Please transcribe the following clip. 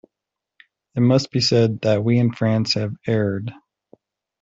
It must be said that we in France have erred.